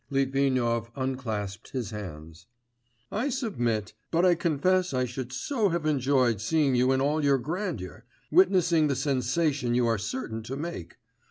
Litvinov unclasped his hands. 'I submit ... but I confess I should so have enjoyed seeing you in all your grandeur, witnessing the sensation you are certain to make....